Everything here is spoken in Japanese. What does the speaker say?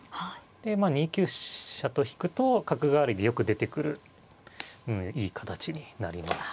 でまあ２九飛車と引くと角換わりでよく出てくるいい形になります。